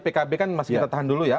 pkb kan masih kita tahan dulu ya